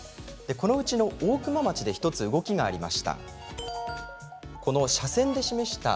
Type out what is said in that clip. このうちの大熊町で動きがありました。